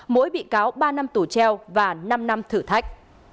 mỗi bị cáo ba năm tù treo và năm năm thử thách